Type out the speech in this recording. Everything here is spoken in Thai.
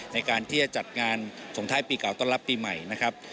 ในการที่จะจัดงานสงท้ายปีเก่าต้อนรับปีใหม่นะครับ